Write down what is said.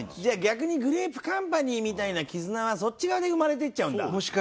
じゃあ逆にグレープカンパニーみたいな絆はそっち側で生まれていっちゃうんだ。